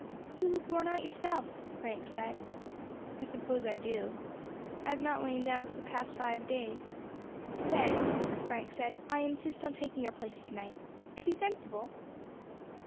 "You look worn out yourself," Frank said. "I suppose I do. I have not lain down for the past five days." "Then," Frank said, "I insist on taking your place to night. Is he sensible?"